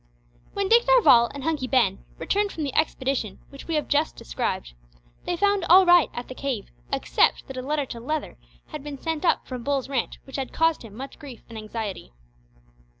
When Dick Darvall and Hunky Ben returned from the expedition which we have just described, they found all right at the cave, except that a letter to Leather had been sent up from Bull's ranch which had caused him much grief and anxiety.